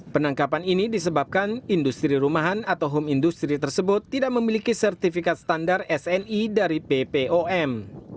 penangkapan ini disebabkan industri rumahan atau home industry tersebut tidak memiliki sertifikat standar sni dari ppom